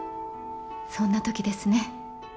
そんな時ですね？